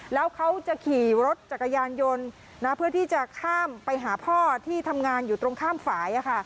แล้วเขาจะขี่รถจักรยานยนต์เพื่อที่จะข้ามไปหาพ่อที่ทำงานอยู่ตรงข้ามฝ่าย